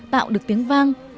tạo được tiếng vang